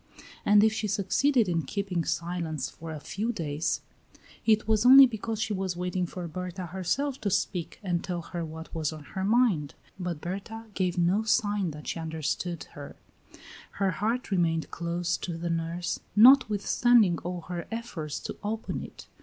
And if she succeeded in keeping silence for a few days, it was only because she was waiting for Berta herself to speak and tell her what was on her mind; but Berta gave no sign that she understood her; her heart remained closed to the nurse, notwithstanding all her efforts to open it.